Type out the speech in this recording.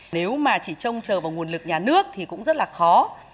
nếu mà chỉ trông chờ vào nguồn lực nhà nước thì cũng rất là khó